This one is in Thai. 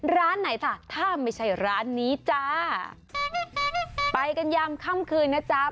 ร้านไหนจ้ะถ้าไม่ใช่ร้านนี้จ้าไปกันยามค่ำคืนนะจ๊ะ